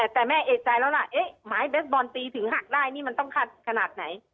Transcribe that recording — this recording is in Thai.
แต่แม่เอกใจแล้วล่ะเอ๊ะหมายเบสบอลตีถึงหักได้นี่มันต้องคัดขนาดไหน